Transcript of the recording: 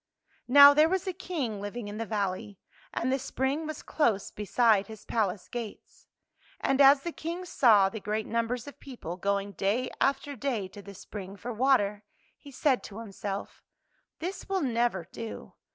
Now there was a King living in the valley, and the spring was close beside his palace gates. And as the King saw the great num bers of people going day after day to the spring for water, he said to himself, " This will never do.